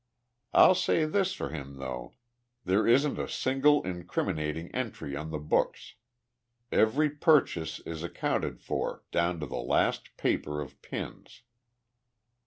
I'll say this for him, though there isn't a single incriminating entry on the books. Every purchase is accounted for, down to the last paper of pins.